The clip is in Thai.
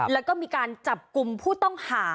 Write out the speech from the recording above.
แล้วก็มีการจับกลุ่มผู้ต้องหา